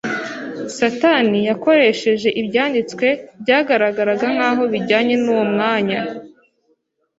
Satani yakoresheje ibyanditswe byagaragaraga nkaho bijyanye n’uwo mwanya,